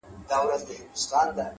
• خدای بېشکه مهربان او نګهبان دی,